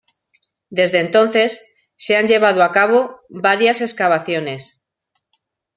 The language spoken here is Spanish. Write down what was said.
Desde entonces, se han llevado a cabo varias excavaciones.